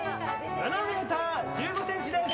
７ｍ１５ｃｍです！